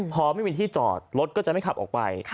พอไม่มีที่จอดรถก็จะไม่ขับออกไป